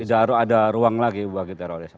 tidak harus ada ruang lagi bagi teroris